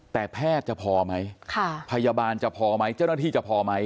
แต่แพทย์จะพอไหมพยาบาลจะพอไหมเจ้าหน้าที่จะพอไหม